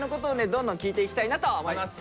どんどん聞いていきたいなと思います。